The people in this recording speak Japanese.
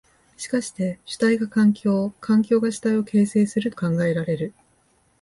しかして主体が環境を、環境が主体を形成すると考えられる。